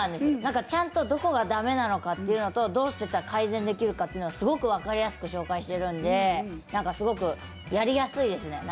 ちゃんと、どこがだめなのかというところとどうしたら改善できるかというのをすごく分かりやすく実践してるのですごく、やりやすいですね。